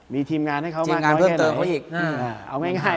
มีทีมงานให้เขามากน้อยแหญ่ไหน